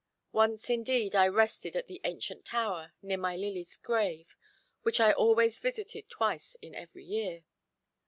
Once, indeed, I rested at the ancient tower, near my Lily's grave, which I always visited twice in every year.